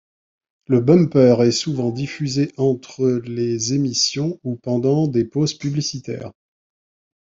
Le bumper est souvent diffusé entre les émissions ou pendant des pauses publicitaires.